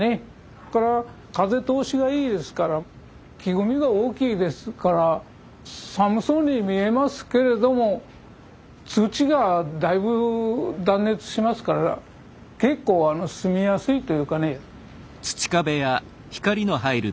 それから風通しがいいですから木組みが大きいですから寒そうに見えますけれども土がだいぶ断熱しますから結構住みやすいというかね。